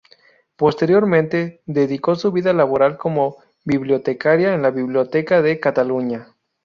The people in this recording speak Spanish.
Posteriormente, dedicó su vida laboral como bibliotecaria en la Biblioteca de Cataluña.